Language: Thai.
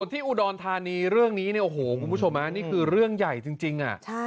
ที่อุดรธานีเรื่องนี้เนี่ยโอ้โหคุณผู้ชมนี่คือเรื่องใหญ่จริง